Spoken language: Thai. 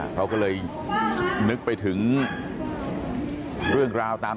สวัสดีครับคุณผู้ชาย